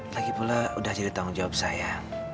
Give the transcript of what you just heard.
lagi pula sudah jadi tanggung jawab saya